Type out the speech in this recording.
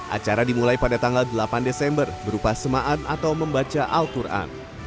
acara dimulai pada tanggal delapan desember berupa semaan atau membaca al quran